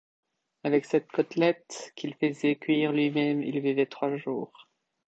Avec cette côtelette, qu’il faisait cuire lui-même, il vivait trois jours.